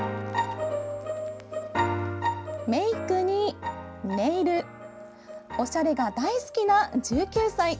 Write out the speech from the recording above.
メークにネイル、おしゃれが大好きな１９歳。